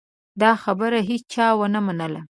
دا خبره هېچا ونه منله.